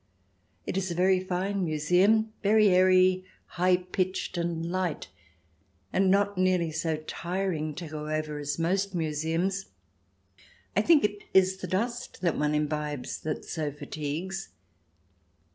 It is a very fine museum — very airy, high pitched and light, and not nearly so tiring to go over as most museums. I think it is the dust that one imbibes that so fatigues.